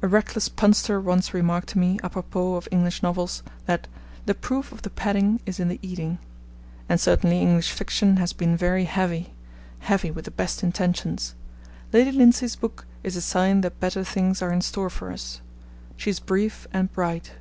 A reckless punster once remarked to me, apropos of English novels, that 'the proof of the padding is in the eating,' and certainly English fiction has been very heavy heavy with the best intentions. Lady Lindsay's book is a sign that better things are in store for us. She is brief and bright.